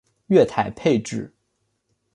月台配置